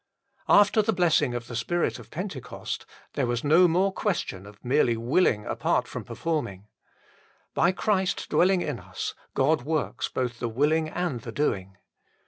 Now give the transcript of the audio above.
After the blessing of the Spirit of Pentecost, there was no more question of merely willing apart from performing. By Christ dwelling in us God works both the willing and the doing.